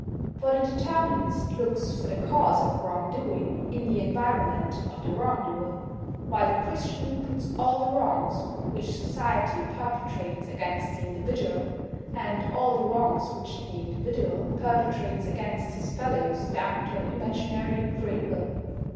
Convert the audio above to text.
For the Determinist looks for the cause of wrong doing in the environment of the wrong doer. While the Christian puts all the wrongs which society perpetrates against the individual, and all the wrongs which the individual perpetrates against his fellows down to an imaginary "free will."